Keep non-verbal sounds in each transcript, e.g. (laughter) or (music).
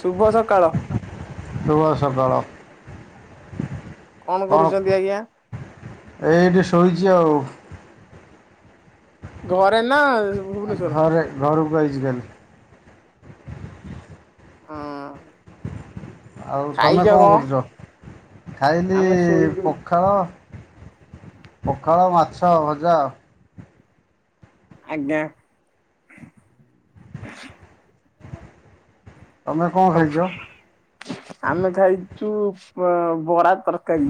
ଶୁଭ ସକାଳ। ଶୁଭ ସକାଳ। କଣ କରୁଛନ୍ତି ଆଜ୍ଞା? ଏଇଠି ଶୋଇଛି ଆଉ। ଘରେ ନା ଭୁବନେଶ୍ଵରରେ? ଘରେ ଘରକୁ ଆଚି କାଲି। ହଁ। ଆଉ ତମେ କଣ କରୁଛ ଖାଇଲି ଆମେ ଶୋଇଲୁ ପଖାଳ ପଖାଳ ମାଛ ଆଉ ଭଜା। ଆଜ୍ଞା। ତମେ କଣ ଆଉ ଖାଇଚ? ଆମେ ଖାଇଛୁ ବରା ତରକାରୀ।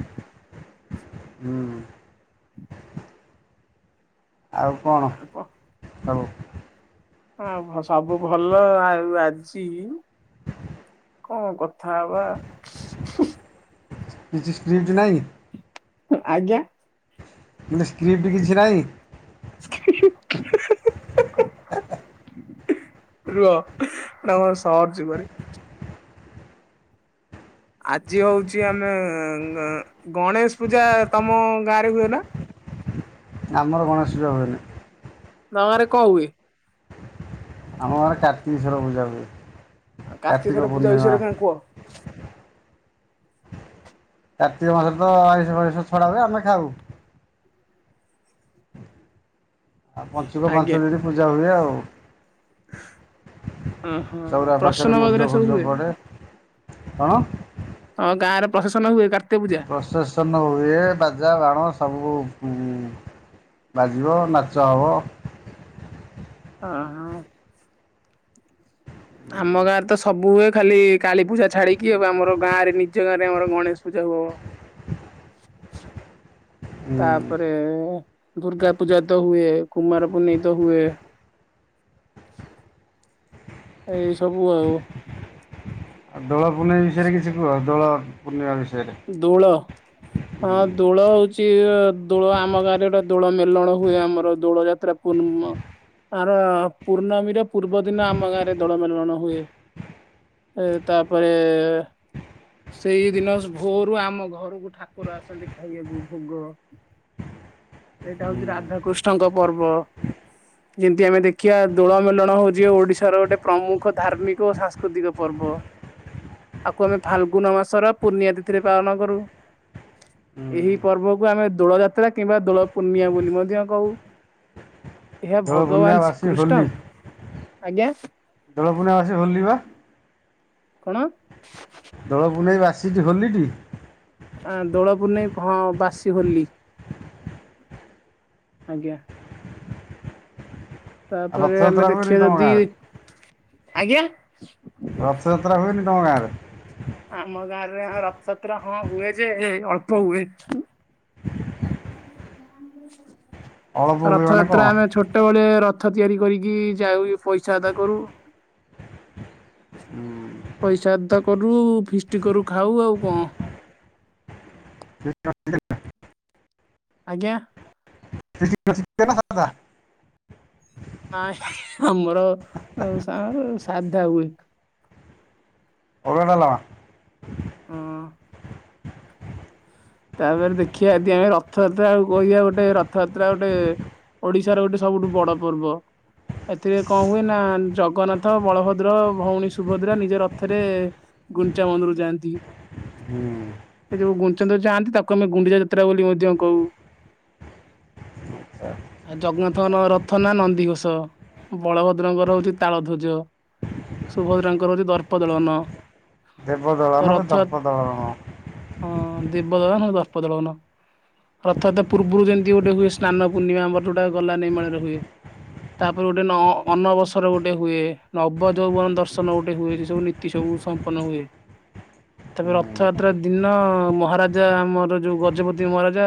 ହୁଁ। ହଁ (inaudible) ଆଉ କଣ ସବୁ ହଁ ହଁ ସବୁ ଭଲ ଆଉ ଆଜି କଣ କଥା ହବା? କିଛି ସ୍କ୍ରିଟି ନାହିଁ। ଆଜ୍ଞା। ମାନେ ସ୍କ୍ରିପ୍ଟ କିଛି ନାହିଁ। (inaudible) ରୁହ ନା ମ ସର୍ଚ୍ଚ କରୁଛି। ଆଜି ହଉଛି ଆମେ ଗଣେଶ ପୂଜା ତମ ଗାଁ ରେ ହୁଏ ନା? ଆମର ଗଣେଶ ପୂଜା ହୁଏନି। ତମ ଗାଁରେ କଣ ହୁଏ? ଆମ ଗାଁରେ କାର୍ତ୍ତିକେଶ୍ଵର ପୂଜା ହୁଏ କାର୍ତ୍ତିକେଶ୍ଵର କାର୍ତ୍ତିକ ପୂଜା ପୂର୍ଣ୍ଣିମା ବିଷୟରେ କଣ କୁହ? କାର୍ତ୍ତିକ ମାସରେ ତ ଅଇଁଶହ ଫାଇଁଶହ ଛଡା ହୁଏ ଆମେ ଖାଉ। (inaudible) ଆଉ ପଞ୍ଚୁକ ଆଜ୍ଞା ପାଞ୍ଚ ଦିନ ପୂଜା ହୁଏ ଆଉ। ଓହୋ ଚଉଁରା ପ୍ରଶ୍ନ ପାଖରେ ବଗେରା ମୁରୁଜ ସବୁ ଫୁରୁଜ ହୁଏ? ପଡେ କଣ? ହଁ ଗାଁରେ ପ୍ରସେସନ ହୁଏ କାର୍ତିକ ପୂଜା? ପ୍ରସେସନ ହୁଏ ବାଜା ବାଣ ସବୁ ବାଜିବ ନାଚ ହେବ। ହଁ (inaudible) ଆମ ଗାଁରେ ତ ସବୁ ହୁଏ ଖାଲି କାଳି ପୂଜା ଛାଡିକି ହବ ଆମର ଗାଁ ରେ ନିଜ ଗାଁରେ ଆମର ଗଣେଶ ପୂଜା ହୁବ। ହୁଁ ତାପରେ ଦୁର୍ଗା ପୂଜା ତ ହୁଏ କୁମାର ପୁନେଇ ତ ହୁଏ। ଏଇ ସବୁ ଆଉ। ଆଉ ଦୋଳ ପୂର୍ଣ୍ଣିମା ବିଷୟରେ କିଛି କୁହ ଦୋଳ ପୂର୍ଣ୍ଣିମା ବିଷୟରେ? ଦୋଳ। ହଁ ଦୋଳ ହଉଛି ଦୋଳ ଆମ ଗାଁରେ ଗୋଟ ଦୋଳ ମେଲଣ ହୁଏ ଆମର ଦୋଳ ଯାତ୍ରା। ପୂନମ୍ ଆର ପୂର୍ଣ୍ଣମୀର ପୂର୍ବ ଦିନ ଆମ ଗାଁ ରେ ଦୋଳ ମେଲଣ ହୁଏ। ଏ ତାପରେ ସେଇ ଦିନ ଭୋରୁ ଆମ ଘରକୁ ଠାକୁର ଆସନ୍ତି ଖାଇବାକୁ ଭୋଗ ଏଇଟା ହୁଁ ହଉଛି ରାଧାକୃଷ୍ଣଙ୍କ ପର୍ବ ଯେମିତି ଆମେ ଦେଖିବା ଦୋଳମେଳଣ ହଉଛି ଓଡିଶାର ଗୋଟେ ପ୍ରମୁଖ ଧାର୍ମିକ ଓ ସାଂସ୍କୃତିକ ପର୍ବ ଆକୁ ଆମେ ଫାଲଗୁନ ମାସର ପୂର୍ଣ୍ଣିଆ ତିଥିରେ ପାଳନ କରୁ ହୁଁ ଏହି ପର୍ବକୁ ଆମେ ଦୋଳ ଯାତ୍ରା କିମ୍ବା ଦୋଳ ପୂର୍ଣ୍ଣିମା ବୋଲି ମଧ୍ୟ କହୁ ଏହା ଦୋଳ ପୂର୍ଣ୍ଣିମା ଭଗବାନ ବାସି ଶ୍ରୀକୃଷ୍ଣ ହୋଲି ଆଜ୍ଞା ଦୋଳ ପୂର୍ଣ୍ଣିମା ବାସି ଦିନ ହୋଲି ପା କଣ ଦୋଳ ପୁନେଇ ବାସିଟି ହୋଲିଟି ଆ ଦୋଳପୁନେଇ ହଁ ବାସି ହୋଲି ଆଜ୍ଞା ଆଉ ତାପରେ ଆମେ ରଥଯାତ୍ରା ହୁଏନି ଦେଖିବା ତମ ଯଦି ଗାଁରେ ଆଜ୍ଞା ରଥଯାତ୍ରା ହୁଏନି ତମ ଗାଁରେ ଆମ ଗାଁ ରେ ରଥଯାତ୍ରା ହଁ ହୁଏ ଯେ ଅଳ୍ପ ହୁଏ ଅଳପ ହୁଏ ମାନେ କଣ? ରଥଯାତ୍ରା ଆମେ ଛୋଟବେଳେ ରଥ ରଥ ତିଆରି କରିକି ଯାଉ ପଇସା ଆଦା କରୁ ପଇସା ଅଦା କରୁ ଫିଷ୍ଟଟି କରୁ ଖାଉ ଆଉ କଣ ହ (inaudible) ଆଜ୍ଞା ଖାତା ନାଇଁ ଆମର ସା ସାଧା ହୁଏ ଅରୁଆ ଡାଲମା ହଁ ତାପରେ ଦେଖିବା ଯଦି ଆମେ ରଥଯାତ୍ରା କହିବା ଗୋଟେ ରଥଯାତ୍ରା ଗୋଟେ ଓଡିଶାର ଗୋଟେ ସବୁଠୁ ବଡ ପର୍ବ ଏଥିରେ କଣ ହୁଏ ନା ଜଗନ୍ନାଥ ବଳଭଦ୍ର ଭଉଣୀ ସୁଭଦ୍ରା ନିଜ ରଥରେ ଗୁଞ୍ଚାମନ୍ଦିର ଜୟନ୍ତୀ ହୁଁ ସେ ଯୋଉ ଗୁଚନ୍ଦ ଚାହାନ୍ତି ତାକୁ ଆମେ ଗୁଣ୍ଡିଚା ଯାତ୍ରା ବୋଲି ମଧ୍ୟ କହୁ ଆଉ ଜଗନ୍ନାଥଙ୍କ ରଥ ନା ନନ୍ଦୀଘୋଷ ବଳଭଦ୍ରଙ୍କର ହଉଛି ତାଳ ଧ୍ୱଜ ସୁଭଦ୍ରାଙ୍କର ହେଉଛି ଦର୍ପ ଦୋଳନ ଦେବଦଳନ କି ଦର୍ପ ଦଳନ ଦିବଦ ଦ ଦ ପଦଳନା ରଥ ପୂର୍ରୁ ଯେମିତି ଗୋଟେ ହୁଏ ସ୍ନାନ ପୂର୍ଣ୍ଣିମା ଆମର ଯୋଉଟା ଗଲା ନେଇ ମଳରେ ହୁଏ ତାପରେ ଗୋଟେ ଅନବସର ଗୋଟେ ହୁଏ ନବ ଯୌବନ ଦର୍ଶନ ଗୋଟେ ହୁଏ ସେ ସବୁ ସବୁ ସମ୍ପନ୍ନ ହୁଏ ତାପରେ ରଥଯାତ୍ରା ଦିନ ମହାରାଜା ଆମର ଯୋଉ ଗଜପତି ମହାରାଜା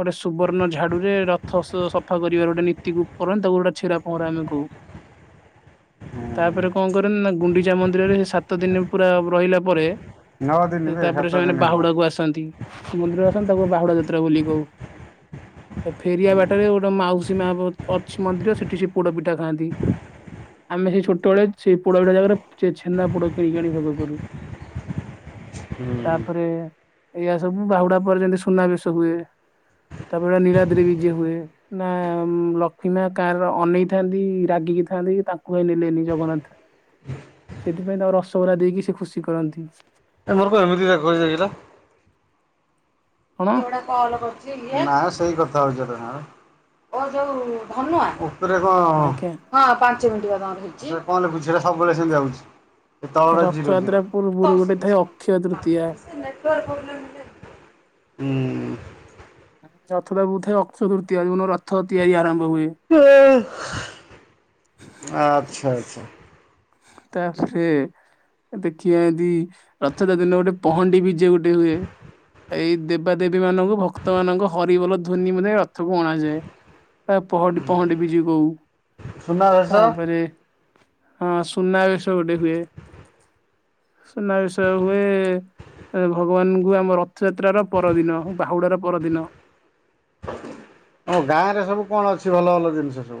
ଗୋଟେ ସୁବର୍ଣ୍ଣ ଝାଡୁରେ ରଥ ସଫା କରିବାର ଗୋଟେ ନୀତିକୁ କରନ୍ତି ତାକୁ ଗୋଟେ ଛିେରା ପହଁରା ଆମେ କହୁ ହୁଁ ତାପରେ କଣ କରେନ ନା ଗୁଣ୍ଡିଚା ମନ୍ଦିରରେ ସେ ସାତ ଦିନ ପୁରା ରହିଲା ପରେ ନଅ ଦିନ ବେ ସାତ ତାପରେ ସେମାନେ ଦିନ ନୁହଁ। ବାହୁଡା କୁ ଆସନ୍ତି୍ରୀ ମନ୍ଦିର ଆସନ୍ତି ତାକୁ ବାହୁଡା ଯାତ୍ରା ବୋଲି କହୁ ଫେରିବା ବାଟରେ ଗୋଟେ ମାଉସୀ ମା ଅଛି ମନ୍ଦିର ସେଠି ସେ ପୋଡ ପିଠା ଖାଆନ୍ତି ଆମେ ସେଇ ଛୋଟବେେଳେ ସେଇ ପୋଡ ବିଟା ଜାଗାରେ ଛେନା ପୋଡ କିଣିକି ଆଣି ଭୋଗ କରୁ ହୁଁ ତାପରେ ଏଇୟଆ ସବୁ ବାହୁଡା ପରେ ଯେମତି ସୁନାବେଶ ହୁଏ ତାପରେ ନୀଳାଦ୍ରିୀ ଯିଏ ହୁଏ ନା ଲକ୍ଷ୍ମୀ ମା କାଁର ଅନେଇଥାନ୍ତି ରାଗିକି ଥାନ୍ତି ତାଙ୍କୁ ଭାଇ ନେଲେନି ଜଗନ୍ନାଥ ସେଥିପାଇଁ ତାଙ୍କର ଅସବଧା ଦେଇକି ସେ ଖୁସି କରନ୍ତି ଏମର କଣ ଏମିତି ଯ ଘରେ ଯାଇା ହଁ ସେଗୁଡା ନା ସେଇ କଥା ହଉଛି ତ ଯୋଉ ଧନ ଏଇଟା କଣ ଆଜ୍ଞା। ହ ପାଞ୍ଚ ମିନିଟ୍ ତମର ହେଇଚି କଣ ହେଲା ବୁଝି ହଲା ସବୁବେଳେ ସେମିତି ଆଉଚି ତଳ ଟା ଜିରୋ ରଥଯାତ୍ରା ଜିରୋ ପୂର୍ବରୁ ଗୋଟେ ଥାଏ ଅକ୍ଷୟ ତୃତୀୟା। ନେଟୱର୍କ୍ ପ୍ରୋବ୍ଲମ୍ ହୁଁ ରଥ ଟା ବହୁତଥାଏ ଅକ୍ଷୟ ତୃତୀୟ ଯଉନ ରଥ ତିଆରି ଆରମ୍ଭ ହୁଏ ଆଚ୍ଛା ଆଛା ପିତାଶ୍ରୀ ଦେଖିବା ଏଦି ରଥ ଦିନ ଗୋଟେ ପହଣ୍ଡି ବିଜ ଗୋଟେ ହୁଏ ଏଇ ଦେବାଦେବୀ ମାନଙ୍କୁ ଭକ୍ତ ମାନଙ୍କ ହରିବୋଲ ଧ୍ୱନି ମ ରଥକୁ ଅଣାଯାଏ। ପହ ପହଡି ବିଯେ କୁ ସୁନାବେଶ ତାପରେ ହ ସୁନାବେଶ ଗୋଟେ ହୁଏ ସୁନାବେଶ ହୁଏ ଭଗବାନଙ୍କୁ ଆମ ରଥଯାତ୍ରାର ପରଦିନ ବାହୁଡା ର ପରଦିନ ହଁ ଗାଁ ରେ ସବୁ କଣ ଅଛି ଭଲ ଭଲ ଜିନିଷ ସବୁ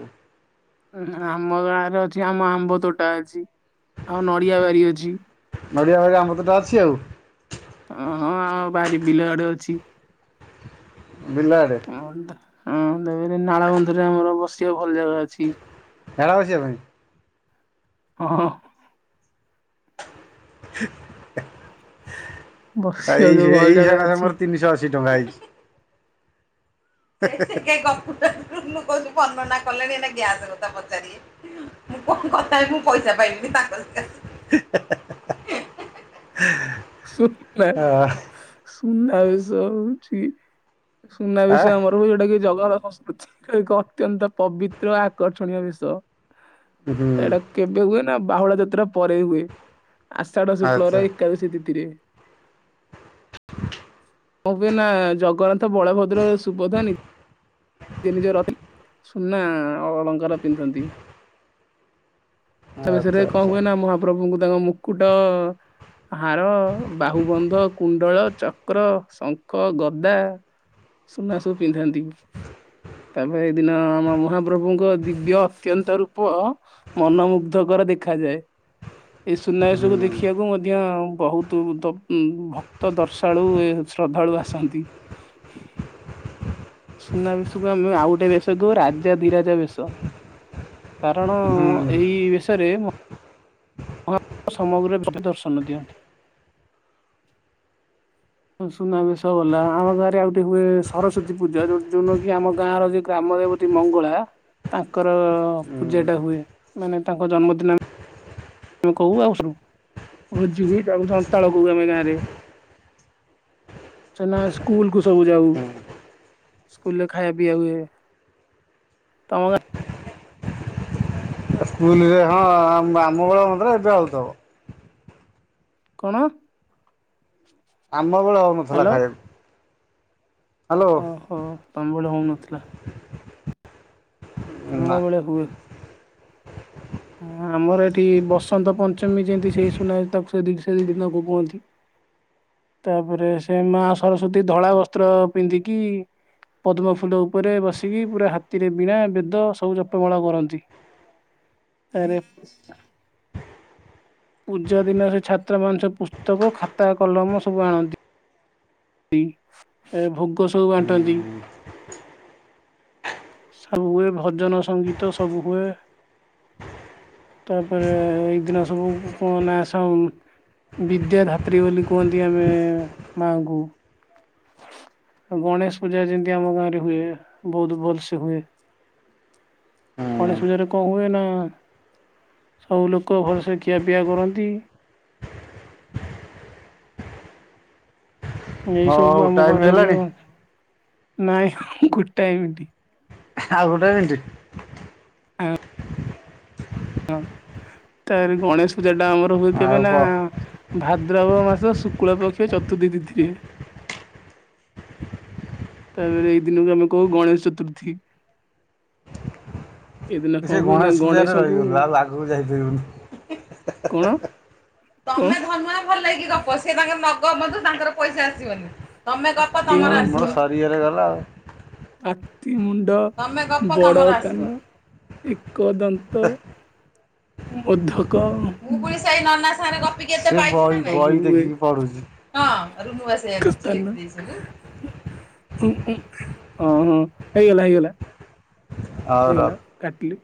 ଉ ଆମ ଗାଁ ରେ ଅଛି ଆମ ଆମ୍ବ ତୋଟା ଅଛି ଆଉ ନଡିଆବାରି ଅଛି ନଡ଼ିଆ ଭରେ ଆମ ତଟା ଅଛି ଆଉ ଓହଁ ଆ ଭାରି ବିଲ ଆଡେ ଅଛି ବିଲ ଆଡେ ହଁ ଦେ ନାଳବନ୍ଧରେ ଆମର ବସିବା ଭଲ ଜାଗା ଅଛି। ଝାଡା ବସିବା ପାଇଁ। ହଁ ଆ ବସିବାକୁ ଯୋଉ ଏଇ ଭଲ ଏଇ ଜାଗା ସକାଶେ ଅଛି ମୋର ତିନିଶହ ଅଶୀ ଟଙ୍କା ହେଇଛି। ହେ ହେ ହେ ହଁ କମ୍ପୁଟରରୁ ମୁ କହୁଛି ବର୍ଣନା କଲେଣି ଏଇନା ଗ୍ୟାସ କଥା ପଚାରିବେ। ମୁଁ କଣ କଥା ହେବି ମୁଁ ପଇସା ପାଇଲିିନି ତାଙ୍କରି ହେ ହେ ହେ। ହୁଁ ସୁନା ସୁନାବେଷ ହଉଛି ଆଁ ସୁନାବେଷ ଆମର ପ୍ରଭୁ ଯଉଟା କି ଜଗର ସଂସ୍କୃତି ଏକ ଅତ୍ୟନ୍ତ ପବିତ୍ର ଆକର୍ଷଣୀୟ ବିଷୟ। ହୁଁ ତା ଏଇଟା କେବେ ହୁଏ ନା ବାହୁଡା ଯାତ୍ରା ପରେ ହୁଏ। ଆଷାଢ ଆଚ୍ଛା ଶୁକ୍ଳର ଏକାଦଶୀ ତିଥିରେ। (inaudible) ମୁଁ ବି ନା ଜଗନ୍ନାଥ ବଳଭଦ୍ର ସୁଭଦ୍ରା ନ ତିନି ଯୋଉ ରଥ ସୁନା ଅଳଙ୍କାର ପିନ୍ଧନ୍ତି। ସୁନା ଆଚ୍ଛା ବେସରେ କଣ ଆଚ୍ଛା ହୁଏ ନା ମହାପ୍ରଭୁଙ୍କୁ ତାଙ୍କ ମୁକୁଟ ହାର ବାହୁବନ୍ଧ କୁଣ୍ଡଳ ଚକ୍ର ଶଙ୍ଖ ଗଦା ସୁନା ସବୁ ପିନ୍ଧାନ୍ତି। ତାପରେ ଏଇ ଦିନ ଆମ ମହାପ୍ରଭୁଙ୍କ ଦିବ୍ୟ ଅତ୍ୟନ୍ତ ରୂପ ମନମୁଗ୍ଧ ଉଦ୍ଧକର ଦେଖାଯାଏ ଏଇ ହୁଁ ସୁନାଭେସକୁୁ ଦେଖି ଦେଖିବାକୁ ମଧ୍ୟ ବହୁତ ଭକ୍ତ ଦର୍ଶାଳୁ ଶ୍ରଦ୍ଧାଳୁ ଆସନ୍ତି ସୁନା ବେଶକୁ ଆମେ ଆଉ ଗୋଟେ ବେଶ କଉ ରାଜାଧିରାଜା ବେଶ କାରଣ ହୁଁ ଏଇ ବେଷରେ ସମଗ୍ରରେ ଦର୍ଶନ ଦିଅନ୍ତି। ସୁନାବେଶ ଗଲା ଆମ ଗାଁରେ ଆଉ ଗୋଟେ ହୁଏ ସରସ୍ଵତୀ ପୂଜା ଉ ଯୋଉଦିନ କି ଆମ ଗାଁର ଯୋଉ ଗ୍ରାମ ଦେବତି ମଙ୍ଗଳା ତାଙ୍କର ପୂଜା ହୁଁ। ଟା ହୁଏ ମାନେ ତାଙ୍କ ଜନ୍ମଦିନ ତମେ କହୁ ଆଉୁ ଭୋଜି ତା ସନ୍ତାଳ କହୁ ଆମେ ଗାଁ ରେ। ନା ସ୍କୁଲକୁ ସବୁ ଯାଉ। ସ୍କୁଲରେ ଖାଇବା ପିଇଆ ହୁଏ ତମ ଗାଁରେ ସ୍କୁଲରେ ହଁ ଆମ ବେଳେ ହୋଇନଥିଲା ଏବେ ହୋଉଥିବ। କଣ? ଆମ ବେଳେ ହଉନଥିଲା ହ୍ୟାଲୋ ଖାଇଆକୁ। ହ୍ୟାଲୋ ହଁ ତମବେଳେ ହେଉନଥିଲା। ଆମ ନା ବେଳେ ହୁଏ। ହଁ ଆମର ଏଠି ବସନ୍ତ ପଞ୍ଚମୀ ଯେମିତି ସେଇ ସୁନା ତାକୁ ସେ ଦି ସେ ଦି ଦିନକୁ କୁହନ୍ତି। ତାପରେ ସେ ମା ସରସ୍ଵତୀ ଧଳା ବସ୍ତ୍ର ପିନ୍ଧିକି ପଦ୍ମ ଫୁଲ ଉପରେ ବସିକି ପୁରା ହାତୀରେ ବିଣା ବେଦ ସବୁ ଜପମାଳ କରନ୍ତି। ତାପରେ ପୂଜା ଦିନ ସେ ଛାତ୍ର ମାନେ ସବୁ ପୁସ୍ତକ ଖାତା କଲମ ସବୁ ଆଣନ୍ତି। ଭୋଗ ସବୁ ବାଣ୍ଟନ୍ତି। ସବୁ ହୁଏ ଭଜନ ସଙ୍ଗୀତ ସବୁ ହୁଏ। ତାପରେ ଏଇଦିନ ସବୁ କଣ ନା ଆସ ବିଦ୍ୟାଧାତ୍ରୀ ବୋଲି କୁହନ୍ତି ଆମେ ମାଙ୍କୁ। ଗଣେଶ ପୂଜା ଯେମତି ଆମ ଗାଁ ରେ ହୁଏ ବହୁତ ଭଲସେ ହୁଏ। ଗଣେଶ ପୁଜାରେ କଣ ହୁଏ ନା ସବୁ ଲୋକ ଭଲସେ ଖିଆପିଆ କରନ୍ତି। ଏଇ ସବୁ ହଉ ଆମ ଟାଇମ୍ ଘରେ ହୁଏ ହେଲାଣି ନାଇଁ ଗୋଟାଏ ମିନଟ୍। ଆଉ ଗୋଟେ ମିନିଟ। (inaudible) ହଁ ତାପରେ ଗଣେଶ ପୂଜା ଟା ଆମର ହୁଏ କେବେ ଆଉ ନା କହ। ଭାଦ୍ରବ ମାସ ଶୁକ୍ଳ ପକ୍ଷ ଚତୁର୍ଥୀ ତିଥିରେ। ତାପରେ ଏଇ ଦିନକୁ ଆମେ କହୁ ଗଣେଶ ଚତୁର୍ଥୀ। ଏଦିନ କଣ ହୁଏ ନା ଗଣେଶଙ୍କୁ ତୁ ଆଉ ଆଗୁକୁ ଯାଇ ପାରିବୁନୁ। କଣ? କଣ ଆମେ ଧନୁଆ ଭଲ ହେଇକି ଗପ ସେ ତାଙ୍କେ ନଗ ବଧୁ ତାଙ୍କର ପଇସା ହାତୀ ଆସିବନି। ମୋର ସରିଗଲେ ଗଲା ଆଉ। ହାତି ମୁଣ୍ଡ ବଡ ତମର ଆସିବ କାନ। ଏକଦନ୍ତ ମୋଧକ ମୁଁ ପୁଣି ସେଇ ନନା ସାଙ୍ଗରେ ଗପ। ସିଏ ବ ସବୁ ବହି ହୁଏ ଦେଖିକି ପଢୁଛି। ପାକିସ୍ତାନ ନା ହଁ ହଁ ହେଇଗଲା ହେଇଗଲା ହଉ ରଖ। ହେଇଗଲା କାଟିଲି।